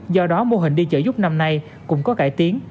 do đó mô hình đi trợ giúp năm nay cũng có cải tiến